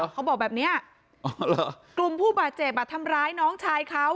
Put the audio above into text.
เขาบอกแบบนี้กลุ่มผู้บาดเจ็บทำร้ายน้องชายเขา